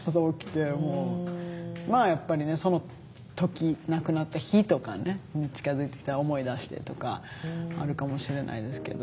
まあやっぱりねその時亡くなった日とか近づいてきたら思い出してとかあるかもしれないですけど。